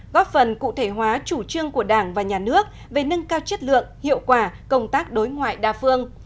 góp phần cụ thể hóa chủ trương của đảng và nhà nước về nâng cao chất lượng hiệu quả công tác đối ngoại đa phương